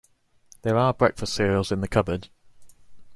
There are breakfast cereals in the cupboard.